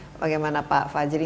iya bersama bagaimana pak fajri